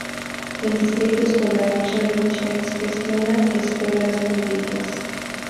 El Distrito Escolar Cherry Creek gestiona escuelas públicas.